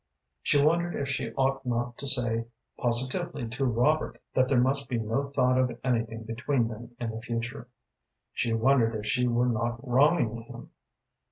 She wondered if she ought not to say positively to Robert that there must be no thought of anything between them in the future. She wondered if she were not wronging him.